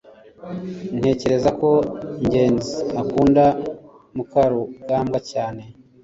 ntekereza ko ngenzi akunda mukarugambwa cyane